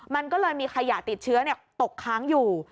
มันก็เลยมีขยะติดเชื้อตกค้างอยู่